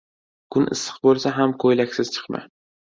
kun issiq bo‘lsa ham ko‘ylaksiz chiqma.